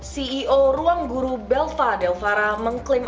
ceo ruangguru belva delvara mengklaim